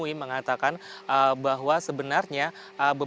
direktur keselamatan kereta api ayadi nur salam yang tadi kami temui